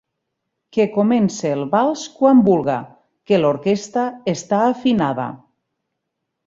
Que comence el vals quan vulga, que l'orquestra està afinada.